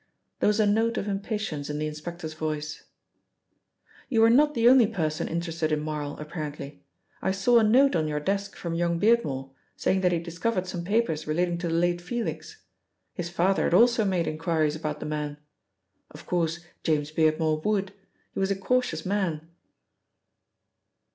There was a note of impatience in the inspector's voice. "You were not the only person interested in Marl, apparently. I saw a note on your desk from young Beardmore, saying that he had discovered some papers relating to the late Felix. His father had also made inquiries about the man. Of course, James Beardmore would. He was a cautious man."